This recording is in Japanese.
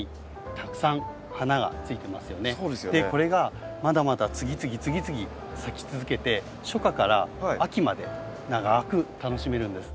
これがまだまだ次々次々咲き続けて初夏から秋まで長く楽しめるんです。